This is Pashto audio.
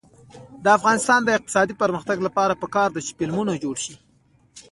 د افغانستان د اقتصادي پرمختګ لپاره پکار ده چې فلمونه جوړ شي.